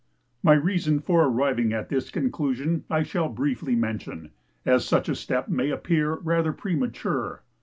My reasons for arriving at this conclusion I shall briefly mention, as such a step may appear rather premature.